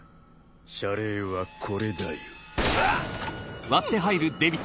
謝礼はこれだよ。